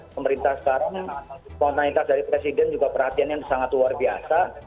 pemerintah sekarang spontanitas dari presiden juga perhatiannya sangat luar biasa